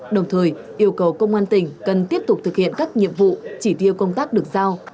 đồng thời yêu cầu công an tỉnh cần tiếp tục thực hiện các nhiệm vụ chỉ tiêu công tác được giao